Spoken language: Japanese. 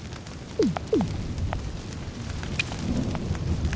うん。